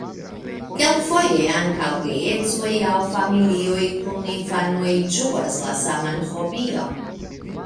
Kelkfoje ankaŭ geedzoj aŭ familioj kun infanoj ĝuas la saman hobion.